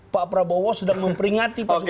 pak prabowo sedang memperingati pasukannya